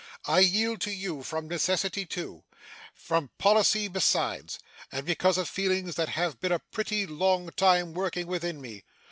I yield to you from necessity too; from policy besides; and because of feelings that have been a pretty long time working within me.